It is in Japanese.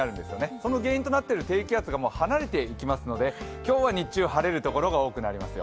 その原因となっている低気圧が離れていきますので今日は日中晴れる所が多くなりますよ。